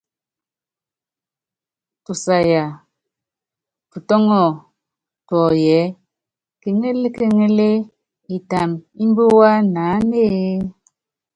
Tusaya tutɔ́ŋɔ tuɔyɔ ɛ́ɛ: kéŋél kéŋél, itam ímbíwá naánéé?